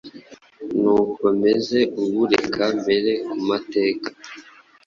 n'uko meze ubu reka mpere ku mateka